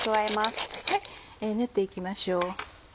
練って行きましょう。